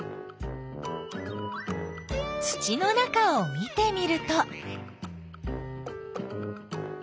土の中を見てみると。